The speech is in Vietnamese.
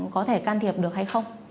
có thể can thiệp được hay không